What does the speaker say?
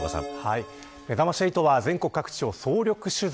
めざまし８は全国各地を総力取材。